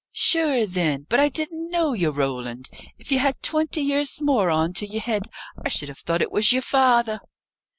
"Sure then! but I didn't know ye, Roland! If ye had twenty years more on to ye're head, I should have thought it was ye're father."